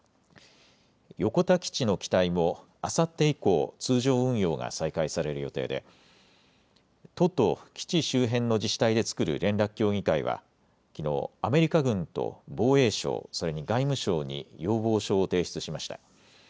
横田基地の機体もあさって以降、通常運用が再開される予定で都と基地周辺の自治体で作る連絡協議会はきのうアメリカ軍と防衛省、それに外務省に要望書を提出しました。